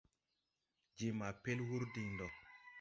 Je ma pel wuur diŋ ndo.